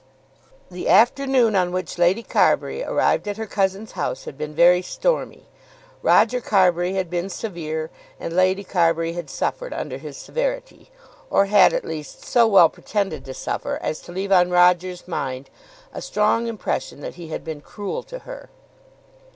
The afternoon on which Lady Carbury arrived at her cousin's house had been very stormy. Roger Carbury had been severe, and Lady Carbury had suffered under his severity, or had at least so well pretended to suffer as to leave on Roger's mind a strong impression that he had been cruel to her.